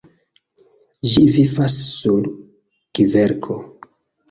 Ĝi vivas sur kverko.